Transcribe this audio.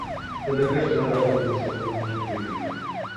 د لګښت بار او بوج مصرف کوونکې پرې کوي.